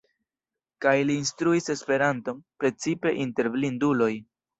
Kaj li instruis Esperanton, precipe inter blinduloj.